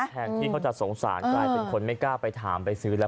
แทนที่เขาจะสงสารกลายเป็นคนไม่กล้าไปถามไปซื้อแล้ว